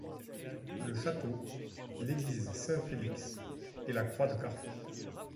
Le château, l'église Saint-Félix et la croix de carrefour.